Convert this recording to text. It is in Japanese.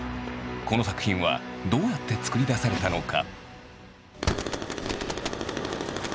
この作品はどうやって作り出されたのか？